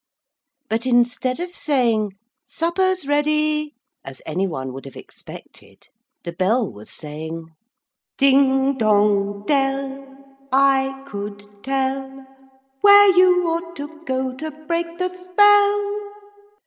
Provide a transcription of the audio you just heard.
But instead of saying 'Supper's ready,' as any one would have expected, the bell was saying Ding dong dell! I could tell Where you ought to go To break the spell.